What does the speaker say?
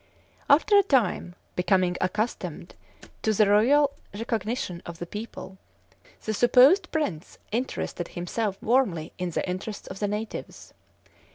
After a time, becoming accustomed to the loyal recognition of the people, the supposed prince interested himself warmly in the interests of the natives.